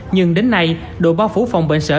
nhưng đến nay đội báo phủ phòng bệnh sở